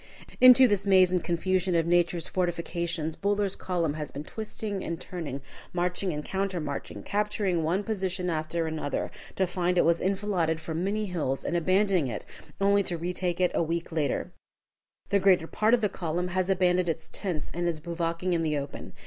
Into this maze and confusion of nature's fortifications Buller's column has been twisting and turning, marching and countermarching, capturing one position after another, to find it was enfiladed from many hills, and abandoning it, only to retake it a week later. The greater part of the column has abandoned its tents and is bivouacking in the open.